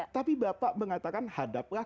tapi bapak mengatakan hadaplah